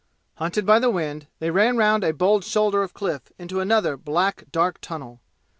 Hunted by the wind, they ran round a bold shoulder of cliff into another black dark tunnel.